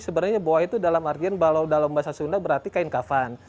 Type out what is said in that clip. sebenarnya buah itu dalam artian dalam bahasa sunda berarti kain kafan